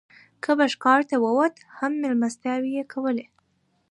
که به ښکار ته ووت هم مېلمستیاوې یې کولې.